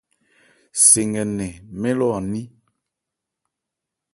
Se nkɛ nnɛn mɛ́n lɔ an ní.